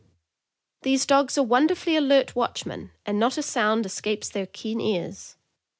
These dogs are wonderfully alert watchmen, and not a sound escapes their keen ears.